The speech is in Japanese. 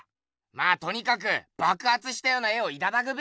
まあとにかくばくはつしたような絵をいただくべよ。